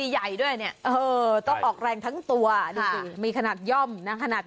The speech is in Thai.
หลายจุด